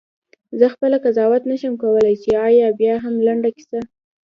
زه خپله قضاوت نه شم کولای چې آیا بیاهم لنډه کیسه.